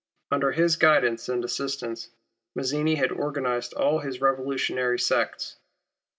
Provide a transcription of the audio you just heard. Under his guidance and assistance, Mazzini had organized all his revolutionary sects.